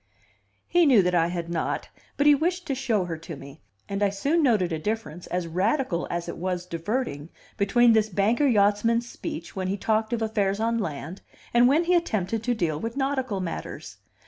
He knew that I had not, but he wishes to show her to me; and I soon noted a difference as radical as it was diverting between this banker yachtsman's speech when he talked of affairs on land and when he attempted to deal with nautical matters.